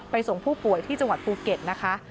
ส่งผู้ป่วยที่จังหวัดภูเก็ตนะคะ